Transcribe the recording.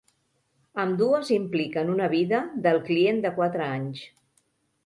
Ambdues impliquen una vida del client de quatre anys.